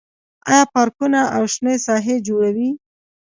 آیا پارکونه او شنه ساحې جوړوي؟